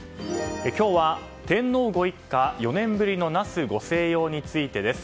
今日は、天皇ご一家４年ぶりの那須ご静養についてです。